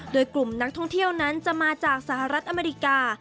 โดยกลุ่มนักท่องเที่ยวนั้นจะมาจากสหรัฐอเมริกา